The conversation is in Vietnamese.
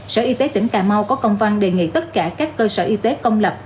sở y tế tỉnh cà mau có công văn đề nghị tất cả các cơ sở y tế công lập